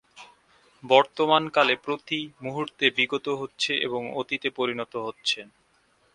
বর্তমান কালে প্রতি মুহূর্তে বিগত হচ্ছে এবং অতীতে পরিণত হচ্ছে।